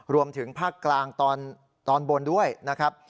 รวมถึงภาคกลางตอนบนด้วยนะครับ